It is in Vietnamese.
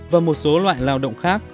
và một số loại lao động khác